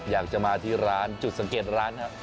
อยากจะมาที่ร้านจุดสังเกตร้านครับ